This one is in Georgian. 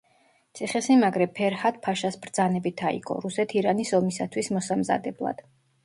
ციხესიმაგრე ფერჰად-ფაშას ბრძანებით აიგო, რუსეთ-ირანის ომისათვის მოსამზადებლად.